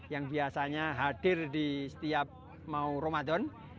yang biasanya hadir di setiap mau ramadan